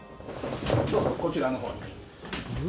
どうぞこちらの方に。